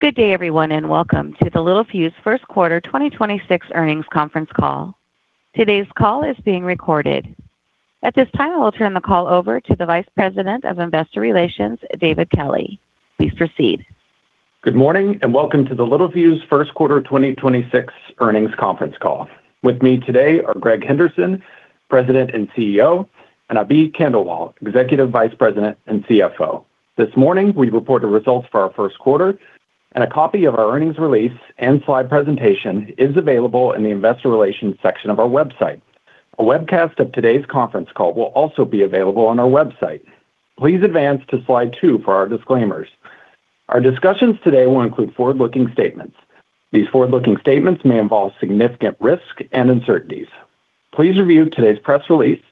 Good day everyone, and welcome to the Littelfuse first quarter 2026 earnings conference call. Today's call is being recorded. At this time, I will turn the call over to the Vice President of Investor Relations, David Kelley. Please proceed. Good morning and welcome to the Littelfuse first quarter 2026 earnings conference call. With me today are Greg Henderson, President and CEO, and Abhi Khandelwal, Executive Vice President and CFO. This morning, we report the results for our first quarter, and a copy of our earnings release and slide presentation is available in the investor relations section of our website. A webcast of today's conference call will also be available on our website. Please advance to slide two for our disclaimers. Our discussions today will include forward-looking statements. These forward-looking statements may involve significant risk and uncertainties. Please review today's press release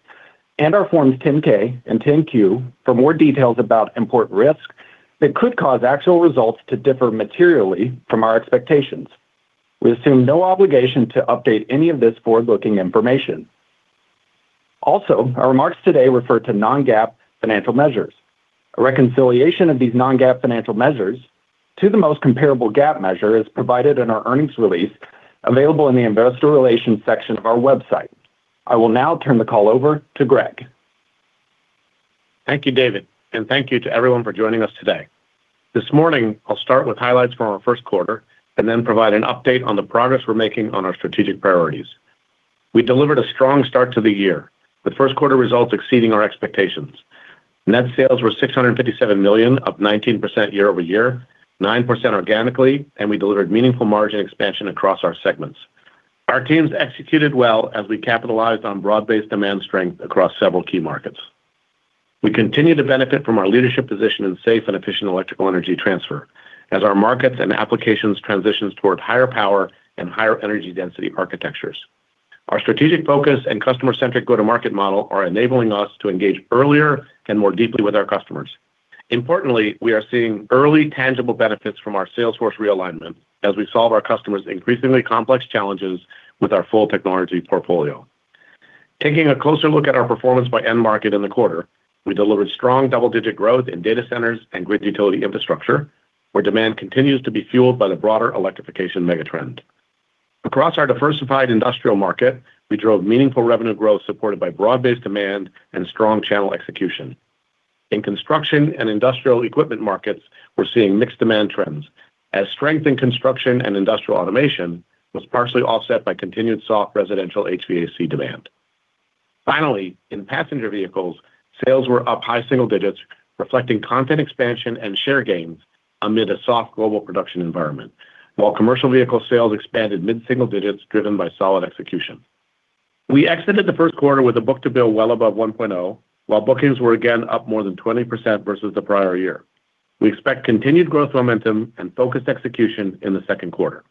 and our forms 10-K and 10-Q for more details about important risks that could cause actual results to differ materially from our expectations. We assume no obligation to update any of this forward-looking information. Also, our remarks today refer to non-GAAP financial measures. A reconciliation of these non-GAAP financial measures to the most comparable GAAP measure is provided in our earnings release available in the investor relations section of our website. I will now turn the call over to Greg. Thank you, David, and thank you to everyone for joining us today. This morning, I'll start with highlights from our first quarter and then provide an update on the progress we're making on our strategic priorities. We delivered a strong start to the year, with first quarter results exceeding our expectations. Net sales were $657 million, up 19% year-over-year, 9% organically, and we delivered meaningful margin expansion across our segments. Our teams executed well as we capitalized on broad-based demand strength across several key markets. We continue to benefit from our leadership position in safe and efficient electrical energy transfer as our markets and applications transitions toward higher power and higher energy density architectures. Our strategic focus and customer-centric go-to-market model are enabling us to engage earlier and more deeply with our customers. Importantly, we are seeing early tangible benefits from our sales force realignment as we solve our customers' increasingly complex challenges with our full technology portfolio. Taking a closer look at our performance by end market in the quarter, we delivered strong double-digit growth in data centers and grid utility infrastructure, where demand continues to be fueled by the broader electrification megatrend. Across our diversified industrial market, we drove meaningful revenue growth supported by broad-based demand and strong channel execution. In construction and industrial equipment markets, we're seeing mixed demand trends as strength in construction and industrial automation was partially offset by continued soft residential HVAC demand. Finally, in passenger vehicles, sales were up high single digits, reflecting content expansion and share gains amid a soft global production environment. Commercial vehicle sales expanded mid-single digits driven by solid execution. We exited the first quarter with a book-to-bill well above 1.0, while bookings were again up more than 20% versus the prior year. We expect continued growth momentum and focused execution in the second quarter.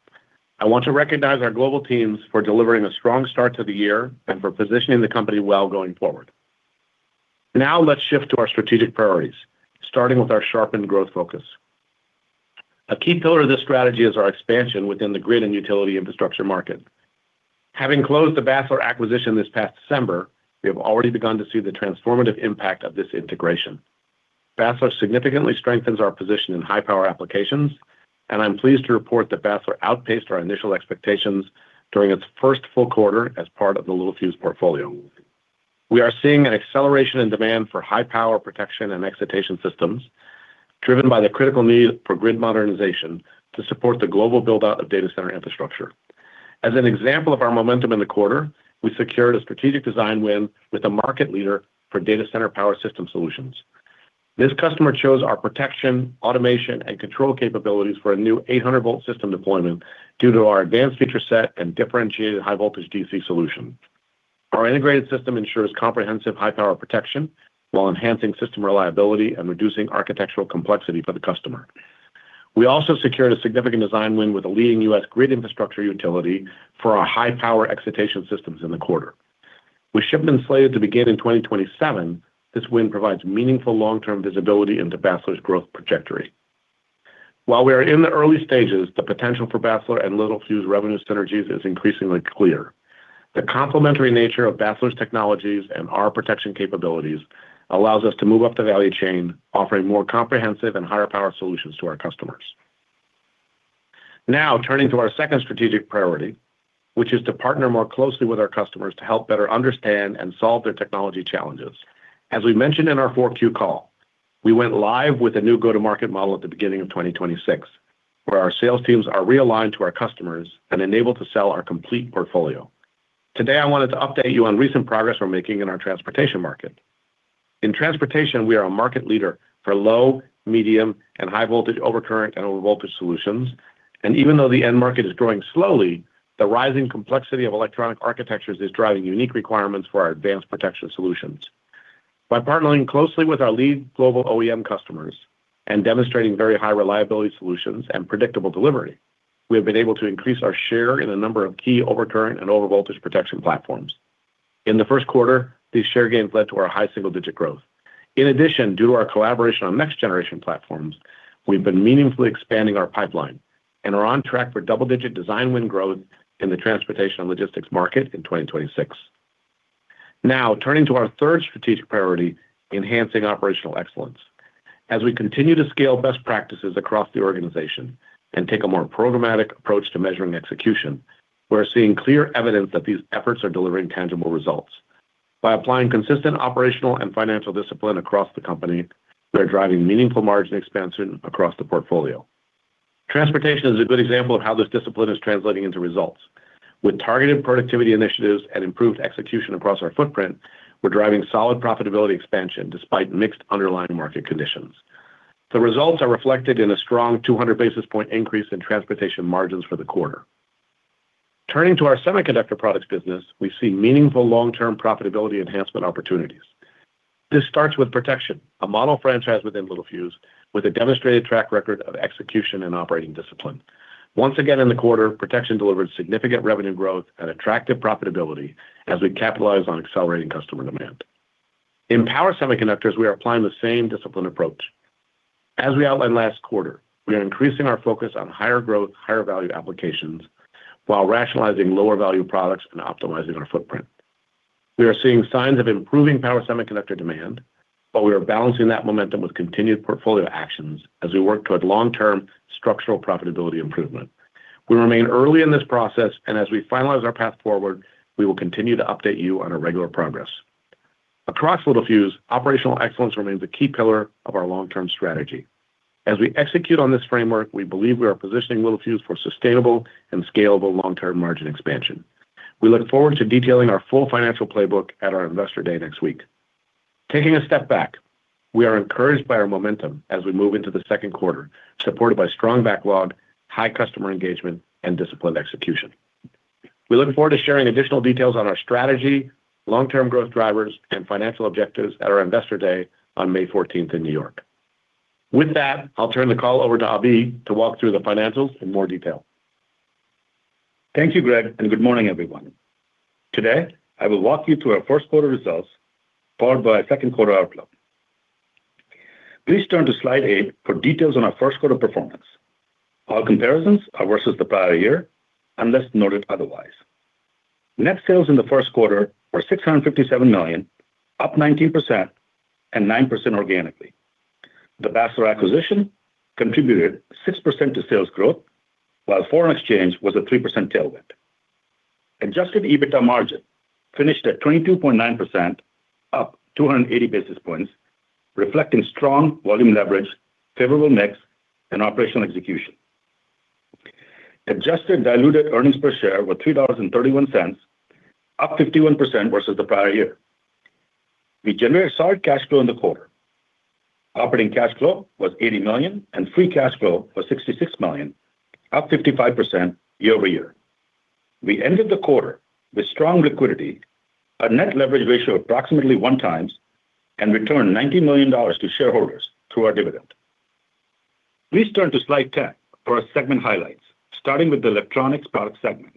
I want to recognize our global teams for delivering a strong start to the year and for positioning the company well going forward. Let's shift to our strategic priorities, starting with our sharpened growth focus. A key pillar of this strategy is our expansion within the grid and utility infrastructure market. Having closed the Basler acquisition this past December, we have already begun to see the transformative impact of this integration. Basler significantly strengthens our position in high-power applications, and I'm pleased to report that Basler outpaced our initial expectations during its first full quarter as part of the Littelfuse portfolio. We are seeing an acceleration in demand for high-power protection and excitation systems driven by the critical need for grid modernization to support the global build-out of data center infrastructure. As an example of our momentum in the quarter, we secured a strategic design win with a market leader for data center power system solutions. This customer chose our protection, automation, and control capabilities for a new 800 volt system deployment due to our advanced feature set and differentiated high voltage DC solution. Our integrated system ensures comprehensive high power protection while enhancing system reliability and reducing architectural complexity for the customer. We also secured a significant design win with a leading U.S. grid infrastructure utility for our high power excitation systems in the quarter. With shipment slated to begin in 2027, this win provides meaningful long-term visibility into Basler's growth trajectory. While we are in the early stages, the potential for Basler and Littelfuse revenue synergies is increasingly clear. The complementary nature of Basler's technologies and our protection capabilities allows us to move up the value chain, offering more comprehensive and higher power solutions to our customers. Turning to our second strategic priority, which is to partner more closely with our customers to help better understand and solve their technology challenges. As we mentioned in our Q4 call, we went live with a new go-to-market model at the beginning of 2026, where our sales teams are realigned to our customers and enabled to sell our complete portfolio. Today, I wanted to update you on recent progress we're making in our transportation market. In transportation, we are a market leader for low, medium, and high voltage overcurrent and overvoltage solutions. Even though the end market is growing slowly, the rising complexity of electronic architectures is driving unique requirements for our advanced protection solutions. By partnering closely with our lead global OEM customers and demonstrating very high reliability solutions and predictable delivery, we have been able to increase our share in a number of key overcurrent and overvoltage protection platforms. In the first quarter, these share gains led to our high single-digit growth. In addition, due to our collaboration on next generation platforms, we've been meaningfully expanding our pipeline and are on track for double-digit design win growth in the transportation logistics market in 2026. Now, turning to our third strategic priority, enhancing operational excellence. As we continue to scale best practices across the organization and take a more programmatic approach to measuring execution, we're seeing clear evidence that these efforts are delivering tangible results. By applying consistent operational and financial discipline across the company, we are driving meaningful margin expansion across the portfolio. Transportation is a good example of how this discipline is translating into results. With targeted productivity initiatives and improved execution across our footprint, we're driving solid profitability expansion despite mixed underlying market conditions. The results are reflected in a strong 200 basis point increase in transportation margins for the quarter. Turning to our semiconductor products business, we see meaningful long-term profitability enhancement opportunities. This starts with protection, a model franchise within Littelfuse, with a demonstrated track record of execution and operating discipline. Once again, in the quarter, protection delivered significant revenue growth and attractive profitability as we capitalize on accelerating customer demand. In power semiconductors, we are applying the same disciplined approach. As we outlined last quarter, we are increasing our focus on higher growth, higher value applications while rationalizing lower value products and optimizing our footprint. We are seeing signs of improving power semiconductor demand, but we are balancing that momentum with continued portfolio actions as we work toward long-term structural profitability improvement. We remain early in this process, and as we finalize our path forward, we will continue to update you on our regular progress. Across Littelfuse, operational excellence remains a key pillar of our long-term strategy. As we execute on this framework, we believe we are positioning Littelfuse for sustainable and scalable long-term margin expansion. We look forward to detailing our full financial playbook at our Investor Day next week. Taking a step back, we are encouraged by our momentum as we move into the second quarter, supported by strong backlog, high customer engagement, and disciplined execution. We look forward to sharing additional details on our strategy, long-term growth drivers, and financial objectives at our Investor Day on May 14th in N.Y. With that, I'll turn the call over to Abhi to walk through the financials in more detail. Thank you, Greg, and good morning, everyone. Today, I will walk you through our first quarter results, followed by our second quarter outlook. Please turn to slide eight for details on our first quarter performance. All comparisons are versus the prior year, unless noted otherwise. Net sales in the first quarter were $657 million, up 19% and 9% organically. The Basler acquisition contributed 6% to sales growth, while foreign exchange was a 3% tailwind. Adjusted EBITDA margin finished at 22.9%, up 280 basis points, reflecting strong volume leverage, favorable mix, and operational execution. Adjusted diluted earnings per share were $3.31, up 51% versus the prior year. We generated solid cash flow in the quarter. Operating cash flow was $80 million, and free cash flow was $66 million, up 55% year-over-year. We ended the quarter with strong liquidity, a net leverage ratio of approximately 1 times, and returned $90 million to shareholders through our dividend. Please turn to slide 10 for our segment highlights, starting with the electronics product segment.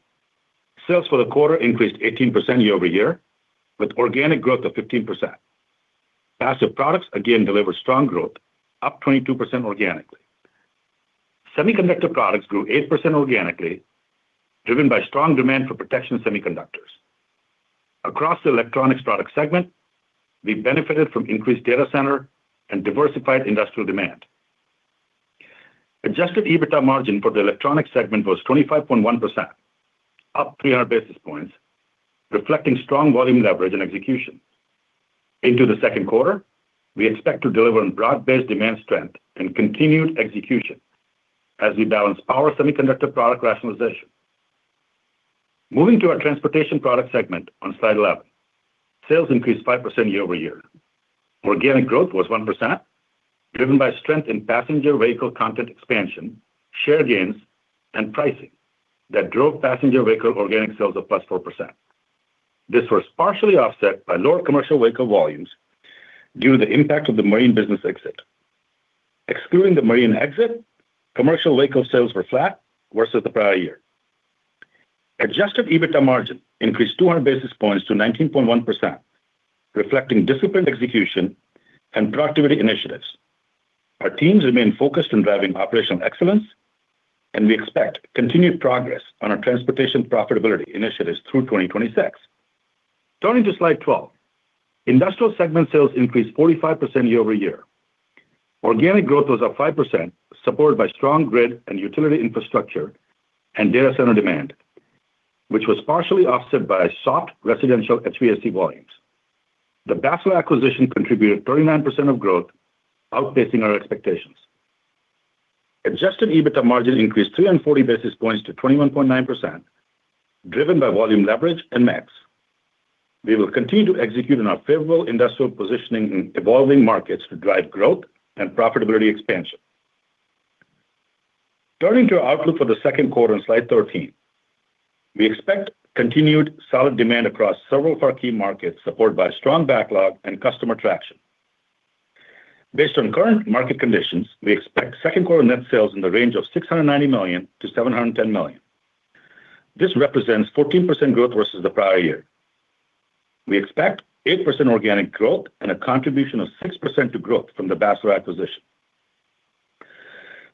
Sales for the quarter increased 18% year-over-year, with organic growth of 15%. Passive products again delivered strong growth, up 22% organically. Semiconductor products grew 8% organically, driven by strong demand for protection semiconductors. Across the electronics product segment, we benefited from increased data center and diversified industrial demand. Adjusted EBITDA margin for the electronics segment was 25.1%, up 300 basis points, reflecting strong volume leverage and execution. Into the second quarter, we expect to deliver on broad-based demand strength and continued execution as we balance power semiconductor product rationalization. Moving to our Transportation Product segment on slide 11. Sales increased 5% year-over-year. Organic growth was 1%, driven by strength in passenger vehicle content expansion, share gains, and pricing that drove passenger vehicle organic sales of +4%. This was partially offset by lower commercial vehicle volumes due to the impact of the marine business exit. Excluding the marine exit, commercial vehicle sales were flat versus the prior year. Adjusted EBITDA margin increased 200 basis points to 19.1%, reflecting disciplined execution and productivity initiatives. Our teams remain focused on driving operational excellence, and we expect continued progress on our Transportation profitability initiatives through 2026. Turning to slide 12. Industrial segment sales increased 45% year-over-year. Organic growth was up 5%, supported by strong grid and utility infrastructure and data center demand, which was partially offset by soft residential HVAC volumes. The Basler acquisition contributed 39% of growth, outpacing our expectations. Adjusted EBITDA margin increased 340 basis points to 21.9%, driven by volume leverage and mix. We will continue to execute on our favorable industrial positioning in evolving markets to drive growth and profitability expansion. Turning to our outlook for the second quarter on slide 13. We expect continued solid demand across several of our key markets, supported by strong backlog and customer traction. Based on current market conditions, we expect second quarter net sales in the range of $690 million-$710 million. This represents 14% growth versus the prior year. We expect 8% organic growth and a contribution of 6% to growth from the Basler acquisition.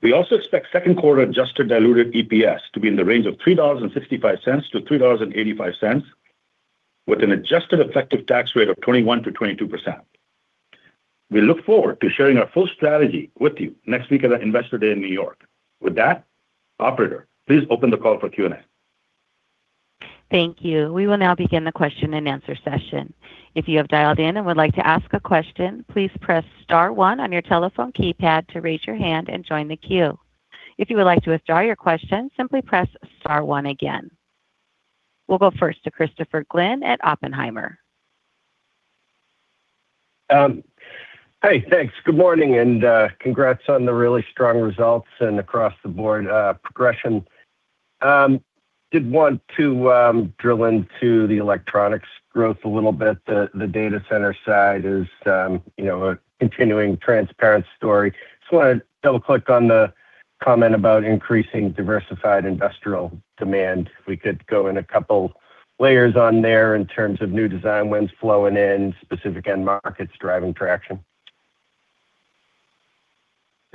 We also expect 2Q adjusted diluted EPS to be in the range of $3.65-$3.85 with an adjusted effective tax rate of 21%-22%. We look forward to sharing our full strategy with you next week at our Investor Day in N.Y. With that, operator, please open the call for Q&A. Thank you. We will now begin the question and answer session. If you have dialed in and would like to ask a question, please press star one on your telephone keypad to raise your hand and join the queue. If you would like to withdraw your question, simply press star one again. We will go first to Christopher Glynn at Oppenheimer. Hey, thanks. Good morning, and congrats on the really strong results and across the board progression. Did want to drill into the electronics growth a little bit. The data center side is, you know, a continuing transparent story. Just wanna double click on the comment about increasing diversified industrial demand. We could go in a couple layers on there in terms of new design wins flowing in, specific end markets driving traction.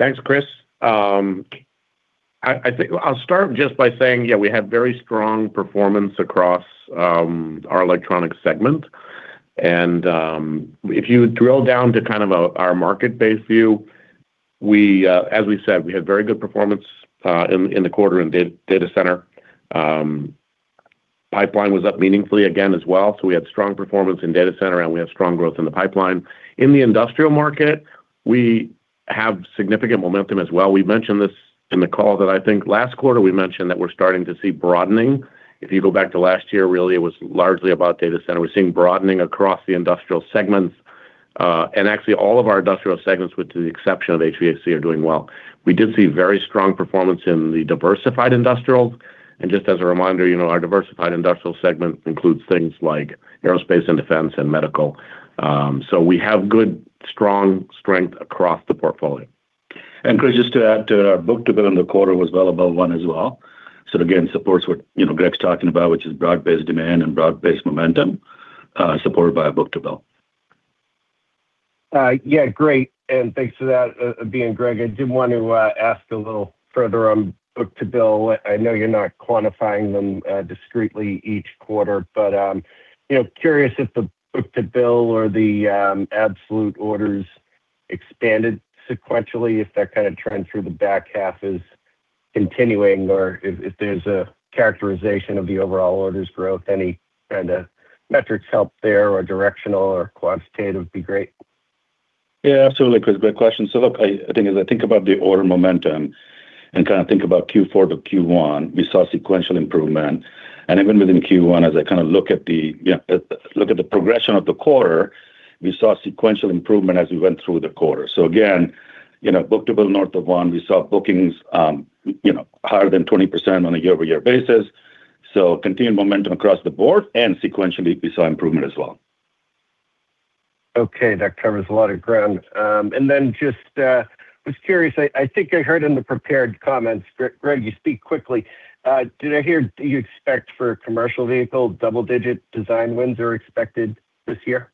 Thanks, Chris. I think I'll start just by saying, yeah, we had very strong performance across our electronics segment. If you drill down to kind of our market-based view, we as we said, we had very good performance in the quarter in data center. Pipeline was up meaningfully again as well, so we had strong performance in data center, and we have strong growth in the pipeline. In the industrial market, we have significant momentum as well. We mentioned this in the call that I think last quarter we mentioned that we're starting to see broadening. If you go back to last year, really it was largely about data center. We're seeing broadening across the industrial segments. Actually all of our industrial segments, with the exception of HVAC, are doing well. We did see very strong performance in the diversified industrials. Just as a reminder, you know, our diversified industrial segment includes things like aerospace and defense and medical. We have good, strong strength across the portfolio. Chris, just to add to our book-to-bill in the quarter was well above one as well. It again supports what, you know, Greg's talking about, which is broad-based demand and broad-based momentum, supported by a book-to-bill. Yeah, great. Thanks for that, Abhi and Greg. I did want to ask a little further on book-to-bill. I know you're not quantifying them discreetly each quarter, but, you know, curious if the book-to-bill or the absolute orders expanded sequentially, if that kind of trend through the back half is continuing or if there's a characterization of the overall orders growth, any kind of metrics help there or directional or quantitative would be great? Absolutely, Chris, great question. Look, I think as I think about the order momentum and kind of think about Q4 to Q1, we saw sequential improvement. Even within Q1, as I kind of look at the, you know, look at the progression of the quarter, we saw sequential improvement as we went through the quarter. Again, you know, book-to-bill north of one, we saw bookings, you know, higher than 20% on a year-over-year basis. Continued momentum across the board and sequentially we saw improvement as well. Okay, that covers a lot of ground. was curious, I think I heard in the prepared comments, Greg, you speak quickly. Did I hear you expect for commercial vehicle, double-digit design wins are expected this year?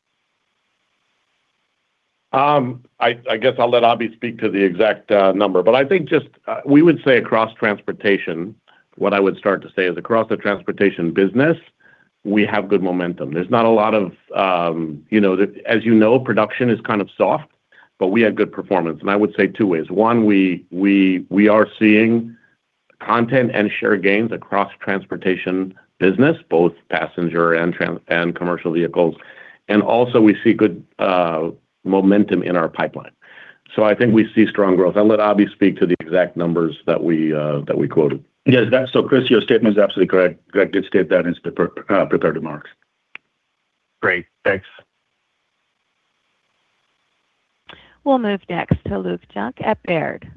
I guess I'll let Abhi speak to the exact number, but I think just we would say across transportation, what I would start to say is across the transportation business, we have good momentum. There's not a lot of, you know, as you know, production is kind of soft, but we had good performance, and I would say two ways. One, we are seeing content and share gains across transportation business, both passenger and commercial vehicles. Also we see good momentum in our pipeline. I think we see strong growth. I'll let Abhi speak to the exact numbers that we that we quoted. Yes, Chris, your statement is absolutely correct. Greg did state that in his prepared remarks. Great. Thanks. We'll move next to Luke Junk at Baird.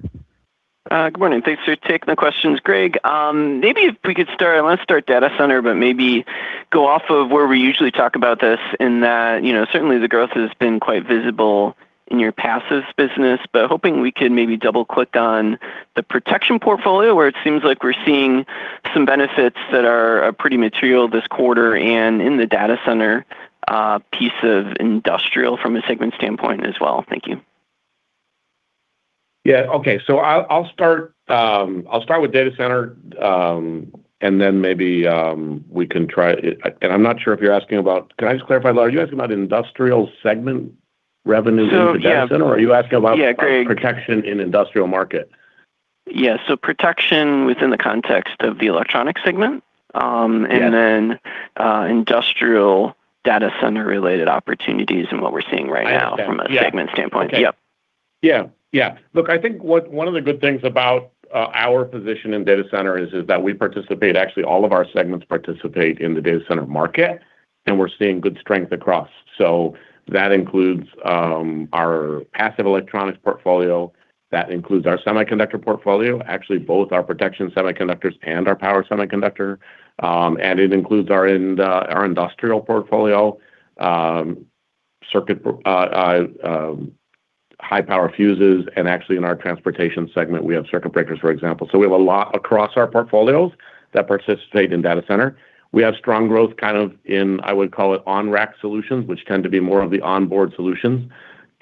Good morning. Thanks for taking the questions. Greg, maybe if we could start, I want to start data center, but maybe go off of where we usually talk about this in that, you know, certainly the growth has been quite visible in your passive business, but hoping we could maybe double click on the protection portfolio, where it seems like we're seeing some benefits that are pretty material this quarter and in the data center piece of industrial from a segment standpoint as well. Thank you. Yeah. Okay. I'll start with data center, maybe, we can try it. I'm not sure if you're asking about. Can I just clarify, Luke? Are you asking about industrial segment revenues into data center? Yeah. Are you asking about- Yeah, Greg. Protection in industrial market? Protection within the context of the electronic segment. Yeah Industrial data center related opportunities and what we're seeing right now. I understand. Yeah. From a segment standpoint. Okay. Yep. Yeah. Yeah. Look, I think one of the good things about our position in data center is that we participate, actually all of our segments participate in the data center market, and we're seeing good strength across. That includes our passive electronics portfolio. That includes our semiconductor portfolio. Actually, both our protection semiconductors and our power semiconductor. It includes our industrial portfolio, high power fuses, and actually in our transportation segment, we have circuit breakers, for example. We have a lot across our portfolios that participate in data center. We have strong growth kind of in, I would call it, on-rack solutions, which tend to be more of the onboard solutions.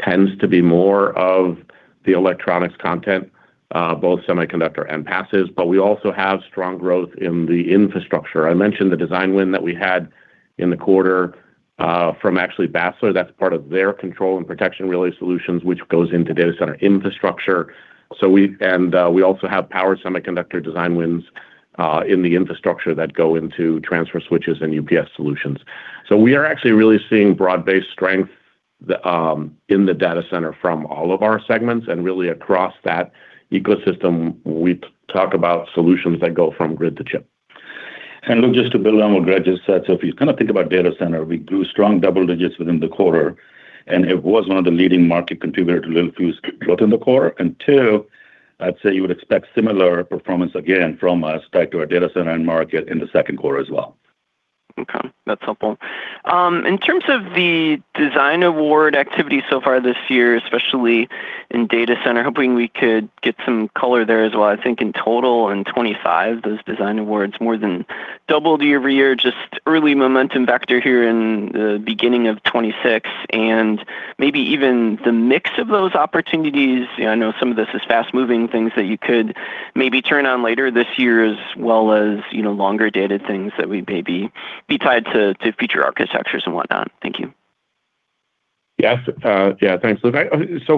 Tends to be more of the electronics content, both semiconductor and passives, we also have strong growth in the infrastructure. I mentioned the design win that we had in the quarter, actually from Basler. That's part of their control and protection relay solutions, which goes into data center infrastructure. We also have power semiconductor design wins in the infrastructure that go into transfer switches and UPS solutions. We are actually really seeing broad-based strength in the data center from all of our segments, and really across that ecosystem, we talk about solutions that go from grid to chip. Look, just to build on what Greg just said. If you kind of think about data center, we grew strong double digits within the quarter, and it was one of the leading market contributors to Littelfuse growth in the quarter. Two, I'd say you would expect similar performance again from us tied to our data center and market in the second quarter as well. That's helpful. In terms of the design award activity so far this year, especially in data center, hoping we could get some color there as well. I think in total in 2025, those design awards more than doubled year-over-year, just early momentum vector here in the beginning of 2026 and maybe even the mix of those opportunities. I know some of this is fast-moving things that you could maybe turn on later this year, as well as, you know, longer-dated things that would maybe be tied to future architectures and whatnot. Thank you. Yes, yeah, thanks, Luke.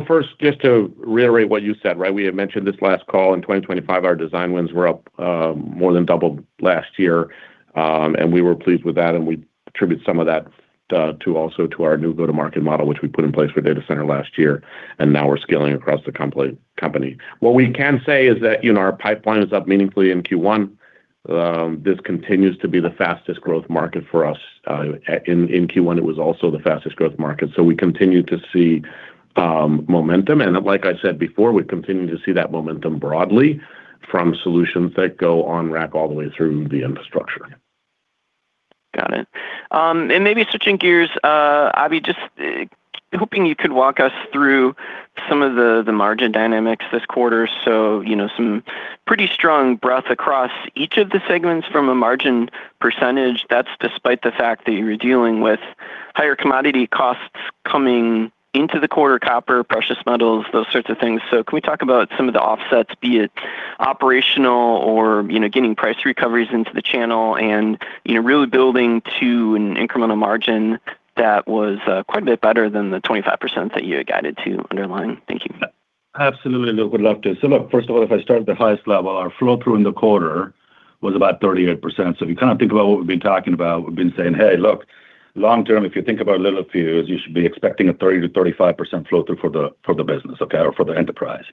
First, just to reiterate what you said, right? We had mentioned this last call in 2025, our design wins were up more than double last year, and we were pleased with that, and we attribute some of that also to our new go-to-market model, which we put in place for data center last year, and now we're scaling across the company. What we can say is that, you know, our pipeline is up meaningfully in Q1. This continues to be the fastest growth market for us in Q1. It was also the fastest growth market. We continue to see momentum. Like I said before, we continue to see that momentum broadly from solutions that go on rack all the way through the infrastructure. Got it. Maybe switching gears, Abhi, just hoping you could walk us through some of the margin dynamics this quarter. You know, some pretty strong breadth across each of the segments from a margin percentage. That's despite the fact that you were dealing with higher commodity costs coming into the quarter, copper, precious metals, those sorts of things. Can we talk about some of the offsets, be it operational or, you know, getting price recoveries into the channel and, you know, really building to an incremental margin that was quite a bit better than the 25% that you had guided to underlying. Thank you. Absolutely, Luke. Would love to. first of all, if I start at the highest level, our flow-through in the quarter was about 38%. If you kind of think about what we've been talking about, we've been saying, "Hey, look, long term, if you think about Littelfuse, you should be expecting a 30%-35% flow-through for the business, okay?" For the enterprise.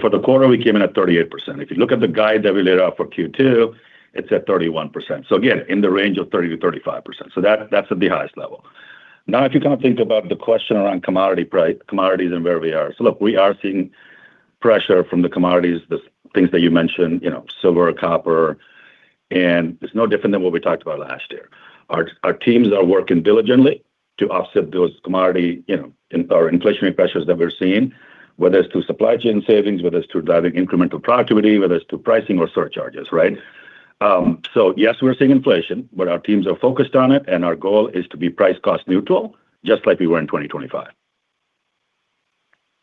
For the quarter, we came in at 38%. If you look at the guide that we laid out for Q2, it's at 31%. Again, in the range of 30%-35%. That's at the highest level. Now, if you kind of think about the question around commodities and where we are. Look, we are seeing pressure from the commodities, the things that you mentioned, you know, silver, copper, and it's no different than what we talked about last year. Our teams are working diligently to offset those commodity, you know, inflationary pressures that we're seeing, whether it's through supply chain savings, whether it's through driving incremental productivity, whether it's through pricing or surcharges, right. Yes, we're seeing inflation, but our teams are focused on it, and our goal is to be price cost neutral, just like we were in 2025.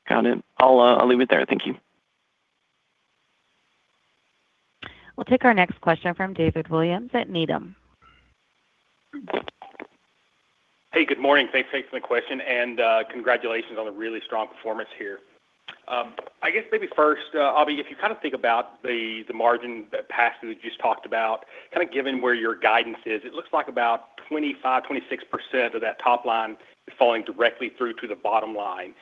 Got it. I'll leave it there. Thank you. We'll take our next question from David Williams at Needham. Hey, good morning. Thanks for taking my question, and congratulations on a really strong performance here. I guess maybe first, Abhi, if you kind of think about the margin that passive you just talked about, kind of given where your guidance is, it looks like about 25%-26% of that top line is falling directly through to the bottom line.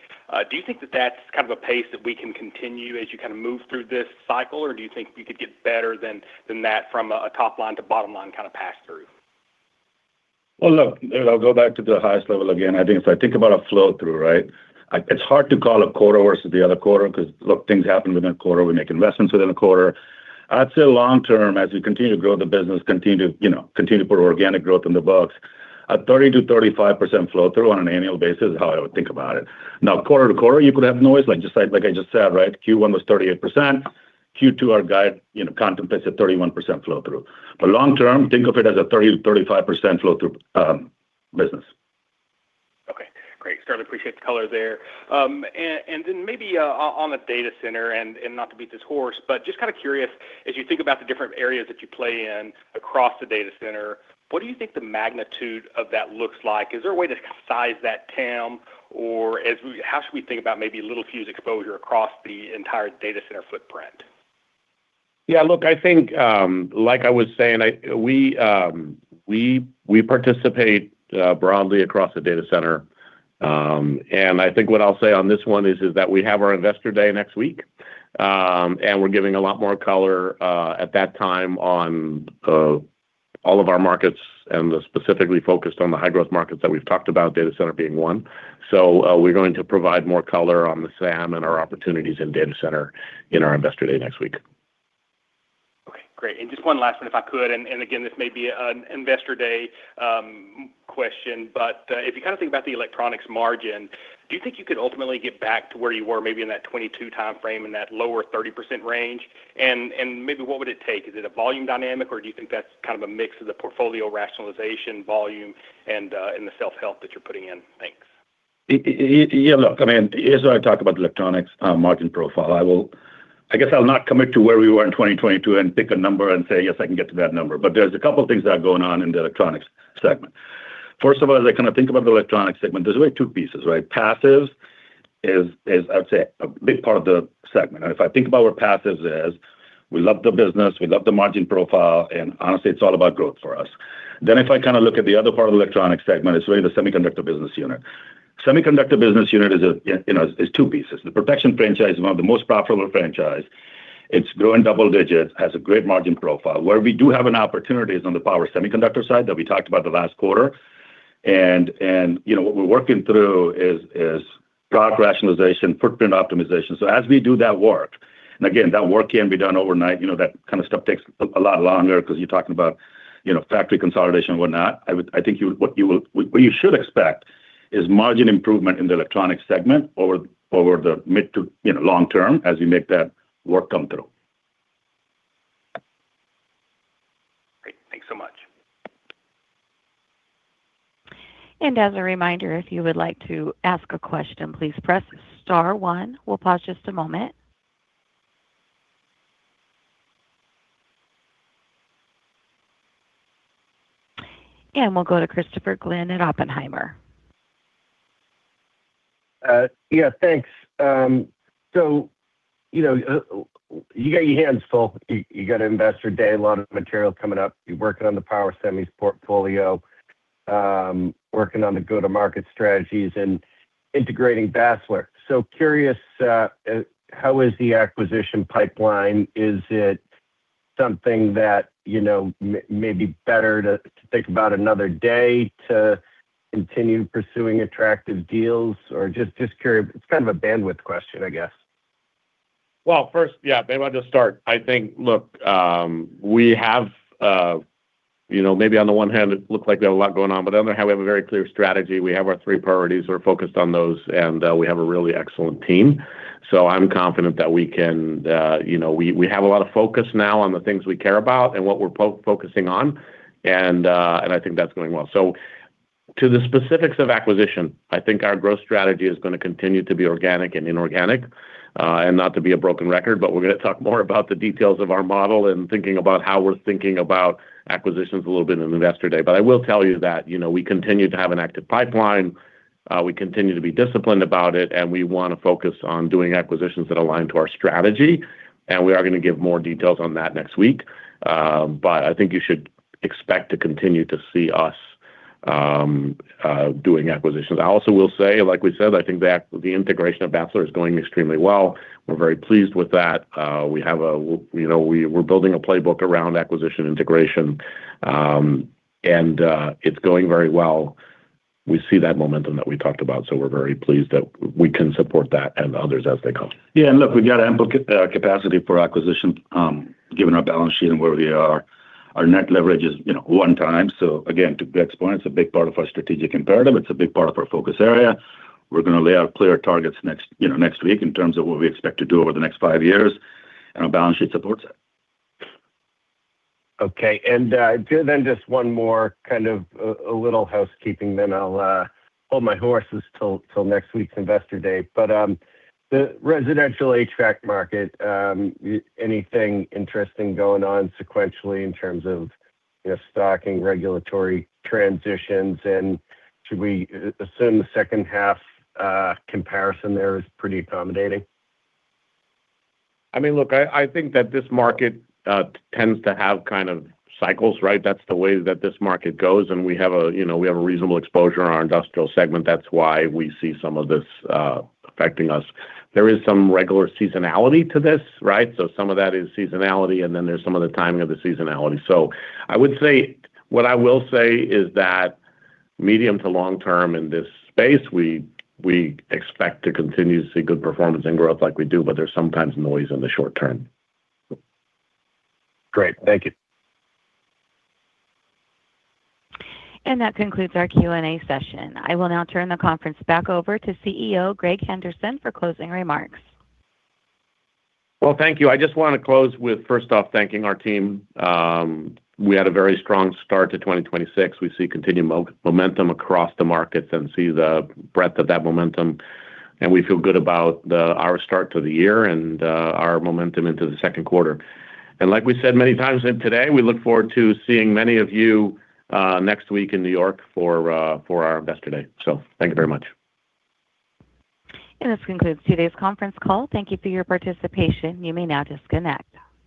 Do you think that that's kind of a pace that we can continue as you kind of move through this cycle? Or do you think we could get better than that from a top line to bottom line kind of pass through? Well, look, I'll go back to the highest level again. I think if I think about a flow through, right? It's hard to call a quarter versus the other quarter because look, things happen within a quarter. We make investments within a quarter. I'd say long term, as we continue to grow the business, continue to, you know, continue to put organic growth in the books, a 30%-35% flow through on an annual basis is how I would think about it. Quarter-to-quarter, you could have noise, like I just said, right? Q1 was 38%. Q2, our guide, you know, contemplates a 31% flow through. Long term, think of it as a 30%-35% flow through business. Okay, great. Certainly appreciate the color there. Then maybe, on the data center and not to beat this horse, but just kind of curious, as you think about the different areas that you play in across the data center, what do you think the magnitude of that looks like? Is there a way to size that TAM or how should we think about maybe Littelfuse exposure across the entire data center footprint? I think, like I was saying, we participate broadly across the data center. I think what I'll say on this one is that we have our investor day next week, and we're giving a lot more color at that time on all of our markets and specifically focused on the high-growth markets that we've talked about, data center being one. We're going to provide more color on the SAM and our opportunities in data center in our investor day next week. Okay, great. Just one last one, if I could, again, this may be an Investor Day question, but if you kind of think about the electronics margin, do you think you could ultimately get back to where you were maybe in that 2022 timeframe, in that lower 30% range? Maybe what would it take? Is it a volume dynamic, or do you think that's kind of a mix of the portfolio rationalization volume and the self-help that you're putting in? Thanks. Yeah, look, I mean, here's where I talk about electronics margin profile. I guess I'll not commit to where we were in 2022 and pick a number and say, "Yes, I can get to that number." There's a couple things that are going on in the electronics segment. First of all, as I kind of think about the electronics segment, there's really two pieces, right? Passives is, I would say, a big part of the segment. If I think about where passives is, we love the business, we love the margin profile, and honestly, it's all about growth for us. If I kind of look at the other part of the electronics segment, it's really the semiconductor business unit. Semiconductor business unit is, you know, two pieces. The protection franchise is one of the most profitable franchise. It's growing double digits, has a great margin profile. Where we do have an opportunity is on the power semiconductor side that we talked about the last quarter. You know, what we're working through is product rationalization, footprint optimization. As we do that work, and again, that work can't be done overnight. You know, that kind of stuff takes a lot longer because you're talking about, you know, factory consolidation and whatnot. What you should expect is margin improvement in the electronics segment over the mid to, you know, long term as we make that work come through. Great. Thanks so much. As a reminder, if you would like to ask a question, please press star one. We'll pause just a moment. We'll go to Christopher Glynn at Oppenheimer. Yeah, thanks. You know, you got your hands full. You got Investor Day, a lot of material coming up. You're working on the power semis portfolio, working on the go-to-market strategies and integrating Basler. Curious, how is the acquisition pipeline? Is it something that, you know, maybe better to think about another day to continue pursuing attractive deals? Just curious. It's kind of a bandwidth question, I guess. First, yeah, maybe I'll just start. I think, look, we have, you know, maybe on the one hand it looks like we have a lot going on, but on the other hand, we have a very clear strategy. We have our three priorities. We're focused on those, and we have a really excellent team. I'm confident that we can, you know, we have a lot of focus now on the things we care about and what we're focusing on, and I think that's going well. To the specifics of acquisition, I think our growth strategy is gonna continue to be organic and inorganic. Not to be a broken record, but we're gonna talk more about the details of our model and thinking about how we're thinking about acquisitions a little bit in Investor Day. I will tell you that, you know, we continue to have an active pipeline. We continue to be disciplined about it, and we wanna focus on doing acquisitions that align to our strategy, and we are gonna give more details on that next week. I think you should expect to continue to see us doing acquisitions. I also will say, like we said, I think the integration of Basler is going extremely well. We're very pleased with that. We have a, you know, we're building a playbook around acquisition integration, and it's going very well. We see that momentum that we talked about, so we're very pleased that we can support that and others as they come. Yeah, and look, we've got ample capacity for acquisition, given our balance sheet and where we are. Our net leverage is, you know, one time. Again, to Greg's point, it's a big part of our strategic imperative. It's a big part of our focus area. We're gonna lay out clear targets next, you know, next week in terms of what we expect to do over the next five years, and our balance sheet supports it. Okay, then just one more kind of a little housekeeping, then I'll hold my horses till next week's Investor Day. The residential HVAC market, anything interesting going on sequentially in terms of, you know, stocking regulatory transitions? Should we assume the second half comparison there is pretty accommodating? I mean, look, I think that this market tends to have kind of cycles, right? That's the way that this market goes, and we have a reasonable exposure in our industrial segment. That's why we see some of this affecting us. There is some regular seasonality to this, right? Some of that is seasonality, and then there's some of the timing of the seasonality. What I will say is that medium to long-term in this space, we expect to continue to see good performance and growth like we do, but there's sometimes noise in the short term. Great. Thank you. That concludes our Q&A session. I will now turn the conference back over to CEO Greg Henderson for closing remarks. Thank you. I just want to close with first off thanking our team. We had a very strong start to 2026. We see continued momentum across the markets and see the breadth of that momentum, we feel good about our start to the year and our momentum into the second quarter. Like we said many times today, we look forward to seeing many of you next week in New York for our Investor Day. Thank you very much. This concludes today's conference call. Thank you for your participation. You may now disconnect.